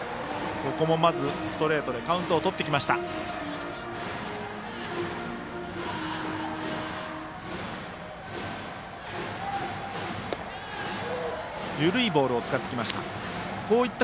ここもまずストレートでカウントをとってきました。